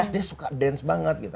dia suka dance banget gitu